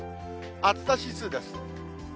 暑さ指数です。